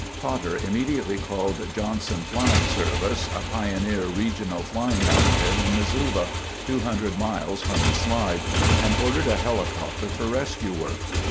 Potter immediately called Johnson Flying Service, a pioneer regional flying outfit in Missoula, 200 miles from the slide, and ordered a helicopter for rescue work.